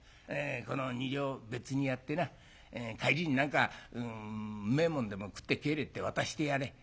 この２両別にやってな帰りに何かうめえもんでも食って帰れって渡してやれ」。